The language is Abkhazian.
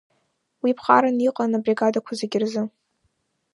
Уи ԥҟаран иҟан абригадақәа зегьы рзы.